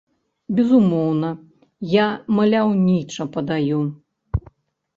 Безумоўна, я маляўніча падаю!